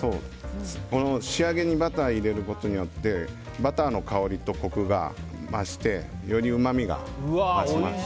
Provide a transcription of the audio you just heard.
仕上げにバターを入れることによってバターの香りとコクが増してよりうまみが増します。